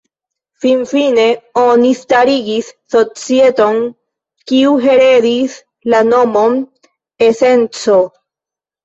Fin-fine oni starigis Societon kiu heredis la nomon E-Senco.